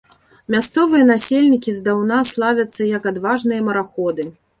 Мясцовыя насельнікі здаўна славяцца як адважныя мараходы.